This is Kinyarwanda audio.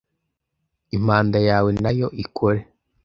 Impanda yawe nayo, ikore